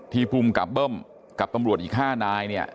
ภูมิกับเบิ้มกับตำรวจอีก๕นายเนี่ย